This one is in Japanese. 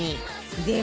で